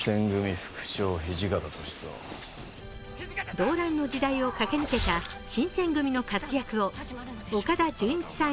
動乱の時代を駆け抜けた新選組の活躍を岡田准一さん